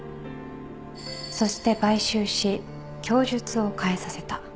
そして買収し供述を変えさせた。